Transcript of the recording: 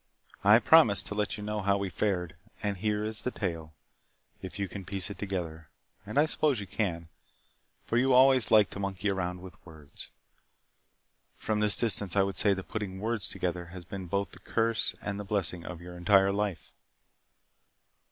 I promised to let you know how we fared. And here is the tale, if you can piece it together. And I suppose you can, for you always liked to monkey around with words. (From this distance, I would say that putting words together has been both the curse and the blessing of your entire life.)